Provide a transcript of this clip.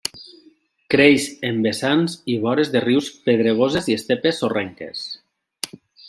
Creix en vessants i vores de rius pedregosos i estepes sorrenques.